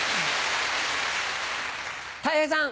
たい平さん。